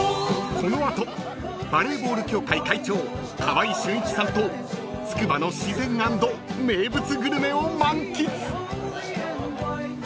［この後バレーボール協会会長川合俊一さんとつくばの自然＆名物グルメを満喫］